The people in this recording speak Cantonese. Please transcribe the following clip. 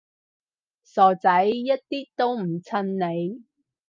傻仔，一啲都唔襯你